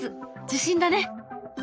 受信だね。